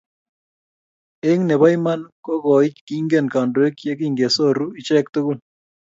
Eng ne bo iman ko ko kingen kandoik ye kingesoru icheek tugul.